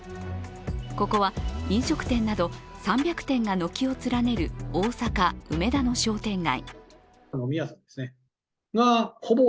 ここは飲食店など３００店が軒を連ねる大阪・梅田の商店街。